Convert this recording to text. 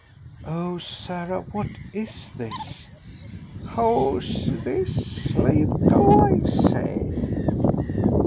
"Oh, Sarah, what is this?" "Who's this? Leave go, I say."